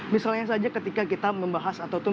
misalnya saja ketika kita membahas atau